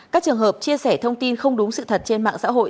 các trường hợp chia sẻ thông tin không đúng sự thật trên mạng xã hội